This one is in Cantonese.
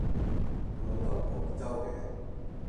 我老豆廣州嘅